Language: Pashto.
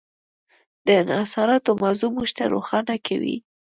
د انحصاراتو موضوع موږ ته روښانه کوي.